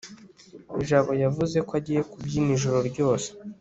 jabo yavuze ko agiye kubyina ijoro ryose